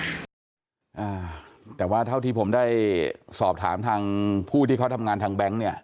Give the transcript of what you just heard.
อ่าแต่ว่าเท่าที่ผมได้สอบถามทางผู้ที่เขาทำงานทางแบงค์เนี่ย